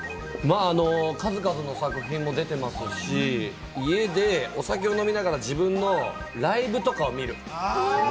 数々の作品も出てますし、家でお酒を飲みながら自分のライブとかを見る。